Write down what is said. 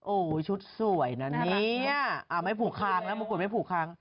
โอ้โหชุดสวยนะเนี่ยไม่ผูกคางนะมงกุฎไม่ผูกค้าง